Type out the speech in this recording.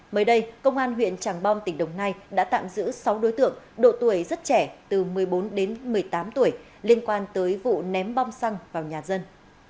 mới đây công an huyện tràng bom tỉnh đồng nai đã tạm giữ sáu đối tượng độ tuổi rất trẻ từ một mươi bốn đến một mươi tám tuổi liên quan tới vụ ném bom xăng vào nhà dân